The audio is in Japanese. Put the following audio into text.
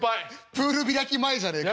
プール開き前じゃねえか。